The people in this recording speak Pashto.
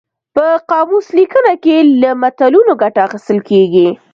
په قاموس لیکنه کې له متلونو ګټه اخیستل کیږي